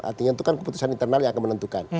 artinya itu kan keputusan internal yang akan menentukan